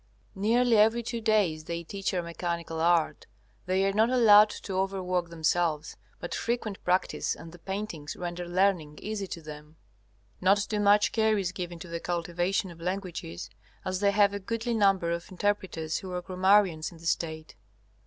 Nearly every two days they teach our mechanical art. They are not allowed to overwork themselves, but frequent practice and the paintings render learning easy to them. Not too much care is given to the cultivation of languages, as they have a goodly number of interpreters who are grammarians in the State.